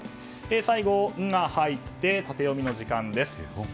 最後、「ン」が入ってタテヨミの時間です。